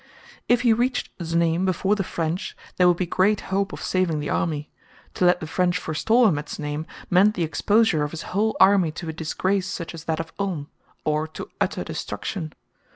If he reached Znaim before the French, there would be great hope of saving the army; to let the French forestall him at Znaim meant the exposure of his whole army to a disgrace such as that of Ulm, or to utter destruction.